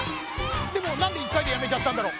でもなんで１かいでやめちゃったんだろう？